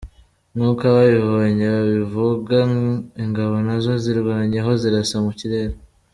Nk’uko ababibonye babivuga, ingabo na zo zirwanyeho, zirasa mu kirere.